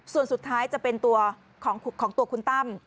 ส่วนสุดท้ายจะเป็นตัวของตัวคุณตั้ม